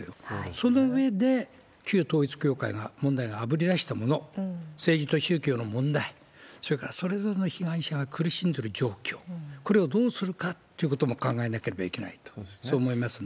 そのうえで、旧統一教会の問題があぶり出したもの、政治と宗教の問題、それからそれぞれの被害者が苦しんでる状況、これをどうするかっていうことも考えなければいけないと、そう思いますね。